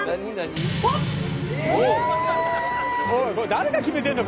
誰が決めてんだよ！